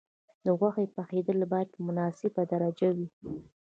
د غوښې پخېدل باید په مناسبه درجه وي.